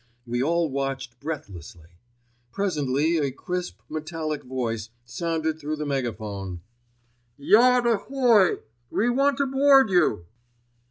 We all watched breathlessly. Presently a crisp, metallic voice sounded through the megaphone: "Yacht ahoy! we want to board you."